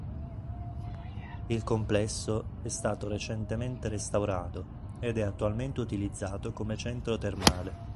Il complesso è stato recentemente restaurato ed è attualmente utilizzato come centro termale.